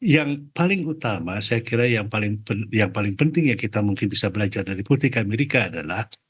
yang paling utama saya kira yang paling penting yang kita mungkin bisa belajar dari politik amerika adalah